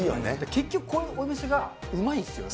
結局、こういうお店がうまいんですよね。